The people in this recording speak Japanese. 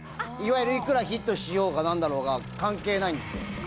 いわゆるいくらヒットしようがなんだろうが関係ないんですよ。